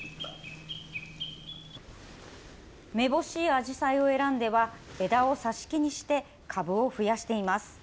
めぼしいあじさいを選んでは、枝を挿し木にして株を増やしています。